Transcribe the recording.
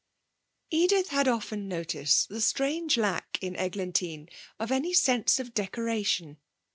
Edith had often noticed the strange lack in Eglantine of any sense of decoration.